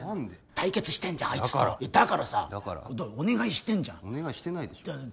対決してんじゃんあいつとだからさお願いしてんじゃんお願いしてないでしょ